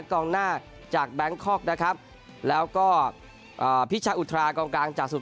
กองหน้าจากแบงคอกนะครับแล้วก็พิชาอุทรากองกลางจากสุด